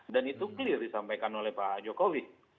dan itu clear disampaikan oleh pak jokowi